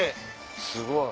すごい。